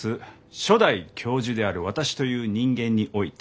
初代教授である私という人間において。